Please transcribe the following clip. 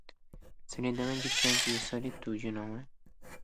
Solidão é diferente de solitude, não é?